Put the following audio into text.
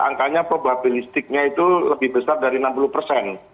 angkanya probabilistiknya itu lebih besar dari enam puluh persen